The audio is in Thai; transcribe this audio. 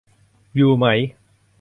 อยู่ไหม